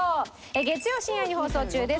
月曜深夜に放送中です。